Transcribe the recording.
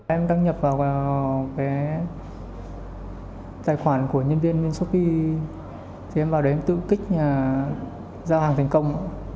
em đăng nhập vào cái tài khoản của nhân viên shopee thì em vào đấy tự kích giao hàng thành công